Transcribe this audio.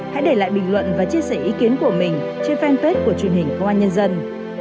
hãy để lại bình luận và chia sẻ ý kiến của mình trên fanpage của truyền hình công an nhân dân